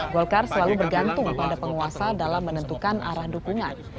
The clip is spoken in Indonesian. golkar selalu bergantung pada penguasa dalam menentukan arah dukungan